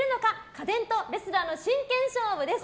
家電とレスラーの真剣勝負です。